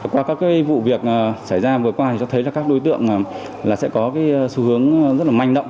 qua các vụ việc xảy ra vừa qua thì cho thấy là các đối tượng sẽ có xu hướng rất là manh động